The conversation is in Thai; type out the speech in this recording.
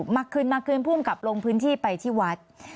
มาคืนมาคืนผู้กำกับลงพื้นที่ไปที่วัด